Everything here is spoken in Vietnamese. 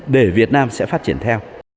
để việt nam sẽ phát triển theo